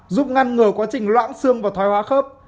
giúp ngăn ngừa quá trình loãng xương và thoái hóa khớp